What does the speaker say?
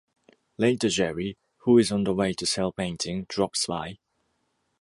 Later Jerry, who is on the way to sell painting, drops by.